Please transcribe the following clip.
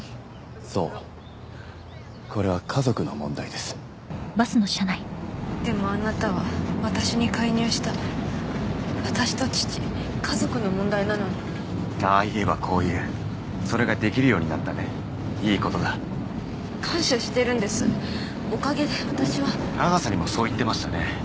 そうこれは家族の問題ですでもあなたは私に介入した私と父家族の問題なのにああ言えばこう言うそれができるようになったねいいことだ感謝してるんですおかげで私はアガサにもそう言ってましたね